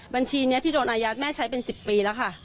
บัญชีนี้ที่โดนอายัดแม่ใช้เป็น๑๐ปีแล้วค่ะ